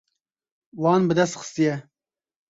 Wan bi dest xistiye.